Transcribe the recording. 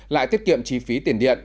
lại tiết kiệm chi phí tiền điện